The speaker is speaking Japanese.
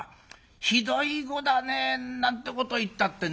ひどい碁だね」なんてことを言ったってね